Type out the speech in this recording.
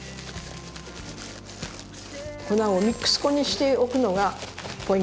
粉をミックス粉にしておくのがポイントです。